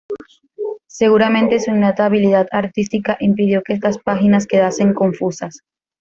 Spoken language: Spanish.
Seguramente su innata habilidad artística impidió que estas páginas quedasen confusas.